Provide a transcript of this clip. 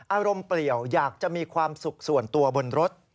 อารมณ์เปลี่ยวอยากจะมีความสุขส่วนตัวบนรถ